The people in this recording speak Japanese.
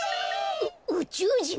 ううちゅうじん？